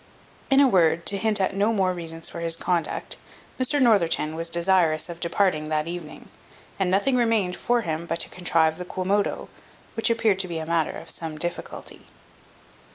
In a word, to hint at no more reasons for his conduct, Mr Northerton was desirous of departing that evening, and nothing remained for him but to contrive the quomodo, which appeared to be a matter of some difficulty.